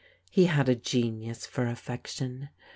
He had a genius for affection.